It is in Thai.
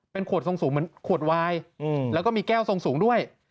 เป็นขวดทรงสูงเหมือนขวดวายแล้วก็มีแก้วทรงสูงด้วย